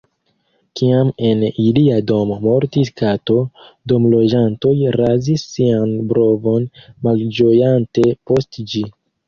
Kiam en ilia domo mortis kato, domloĝantoj razis sian brovon malĝojante post ĝi.